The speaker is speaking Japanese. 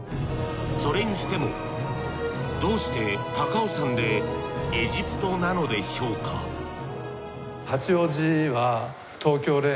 それにしてもどうして高尾山でエジプトなのでしょうか？というような。